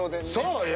そうよ！